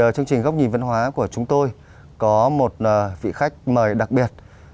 chương trình góc nhìn văn hóa của chúng tôi có một vị khách mời đặc biệt